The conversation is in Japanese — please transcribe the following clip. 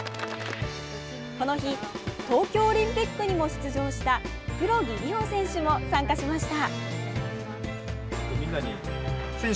この日東京オリンピックにも出場した黒木理帆選手も参加しました。